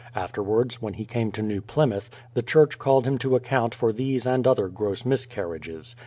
Afterwards, when he came to New Plymouth, the church called him to account for these and other gross miscarriages.